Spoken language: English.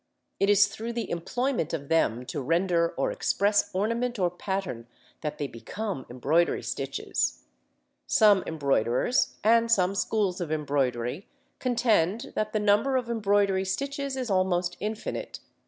It is through the employment of them to render or express ornament or pattern that they become embroidery stitches. Some embroiderers and some schools of embroidery contend that the number of embroidery stitches is almost infinite.